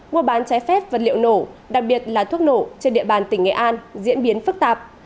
mua bán trái phép vật liệu nổ đặc biệt là thuốc nổ trên địa bàn tỉnh nghệ an diễn biến phức tạp